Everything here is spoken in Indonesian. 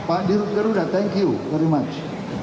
pak dirut garuda thank you very much